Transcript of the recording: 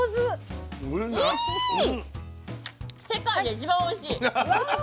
世界で一番おいしい。